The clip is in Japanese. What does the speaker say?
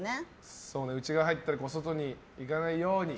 内側入ったり外に行かないように。